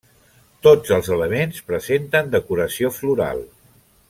Tots els elements presenten decoració floral.